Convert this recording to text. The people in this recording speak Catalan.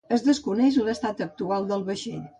Es desconeix l'estat actual del vaixell.